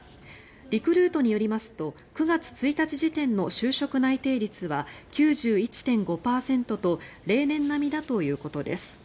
リクルートによりますと９月１日時点の就職内定率は９１．５％と例年並みだということです。